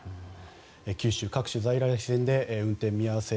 九州各種在来線で運転見合わせ。